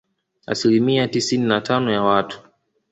Asilimia tisini na tano ya watu